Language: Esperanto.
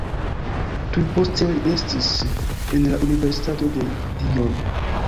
Tuj poste li estis en la Universitato de Dijon.